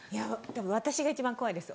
私が一番怖いです